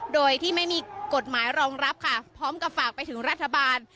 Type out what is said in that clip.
โดยที่ไม่มีกฎหมายรองรับค่ะพร้อมกับฝากไปถึงรัฐบาล